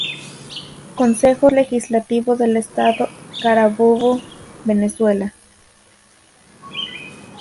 Consejo Legislativo del Estado Carabobo, Venezuela.